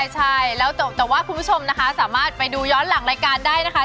ใช่แล้วจบแต่ว่าคุณผู้ชมนะคะสามารถไปดูย้อนหลังรายการได้นะคะ